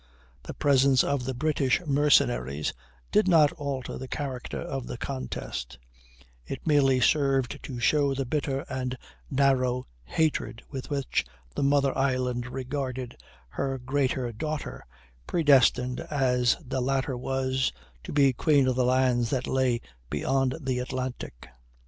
The presence of the British mercenaries did not alter the character of the contest; it merely served to show the bitter and narrow hatred with which the Mother Island regarded her greater daughter, predestined as the latter was to be queen of the lands that lay beyond the Atlantic.